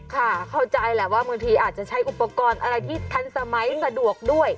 เข้าใจแหละว่าบางทีอาจจะใช้อุปกรณ์อะไรที่ทันสมัยสะดวกด้วย